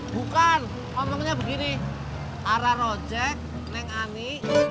bukan ngomongnya begini arah ojek neng ani